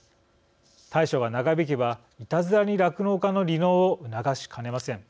対処が長引けばいたずらに酪農家の離農を促しかねません。